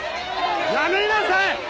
やめなさい！